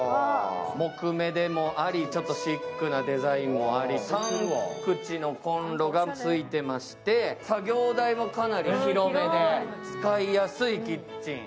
木目でもあり、シックなデザインもあり３口のコンロが付いてまして作業台もかなり広めで使いやすいキッチン。